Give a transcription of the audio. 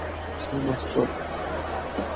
ছয় মাস পর।